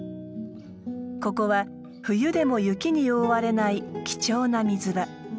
ここは冬でも雪に覆われない貴重な水場。